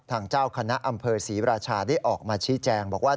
เจ้าคณะอำเภอศรีราชาได้ออกมาชี้แจงบอกว่า